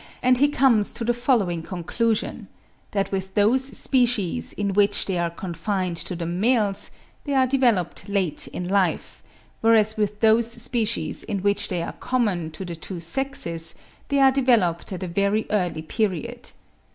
and he comes to the following conclusion:—that with those species in which they are confined to the males, they are developed late in life; whereas with those species in which they are common to the two sexes, they are developed at a very early period.